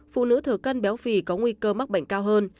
phụ nữ thở cân béo phì có nguy cơ mắc bệnh cao hơn